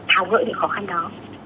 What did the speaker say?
thảo ngợi những khó khăn đó